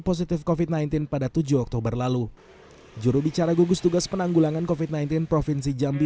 positif covid sembilan belas pada tujuh oktober lalu jurubicara gugus tugas penanggulangan covid sembilan belas provinsi jambi